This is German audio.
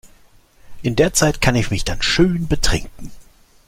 In der Zeit kann ich mich dann schön betrinken.